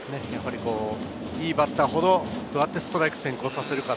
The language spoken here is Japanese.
いいバッターほど、こうやってストライクを先行させるか。